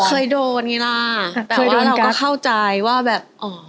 เคยโดนไงล่ะแต่ว่าเราก็เข้าใจว่าแบบอ๋อ